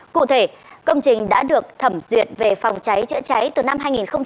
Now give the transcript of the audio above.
cụ thể công trình đã được thẩm duyệt về phòng trái chữa trái từ năm hai nghìn một mươi bảy